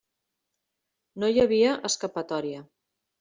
No hi havia escapatòria.